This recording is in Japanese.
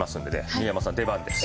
新山さん出番です。